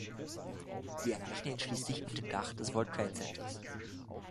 Sie erreichen ihn schließlich auf dem Dach des World Trade Centers.